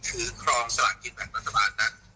ครองสลากกินแบ่งรัฐบาลนั้น